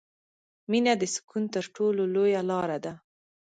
• مینه د سکون تر ټولو لویه لاره ده.